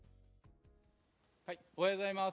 おはようございます。